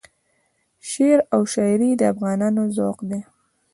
شعر او شایري د افغانانو ذوق دی.